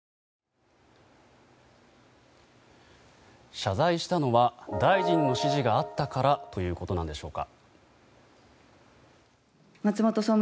謝罪したのは大臣の指示があったからということなんでしょうか。